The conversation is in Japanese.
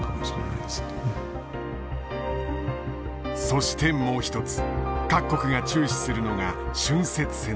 そしてもう一つ各国が注視するのが浚渫船だ。